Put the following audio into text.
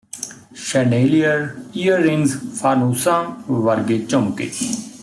chandelier earrings ਫਾਨੂਸਾਂ ਵਰਗੇ ਝੁਮਕੇ